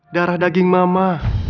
darah daging mama